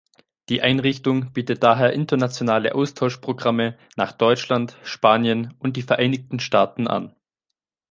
Die Einrichtung bietet daher internationale Austauschprogramme nach Deutschland, Spanien und die Vereinigten Staaten an.